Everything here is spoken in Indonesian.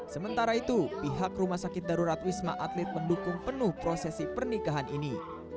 sementara itu pihak rumah sakit darurat wisma atlet mendukung penuh prosesi pernikahan ini